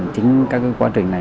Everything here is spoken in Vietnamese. chính các quá trình này